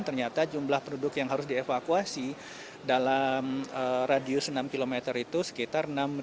ternyata jumlah penduduk yang harus dievakuasi dalam radius enam km itu sekitar enam ratus